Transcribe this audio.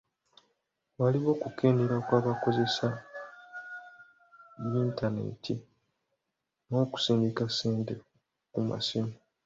Waliwo okukendeera kw'abakozesa yintanenti n'okusindika ssente ku masimu.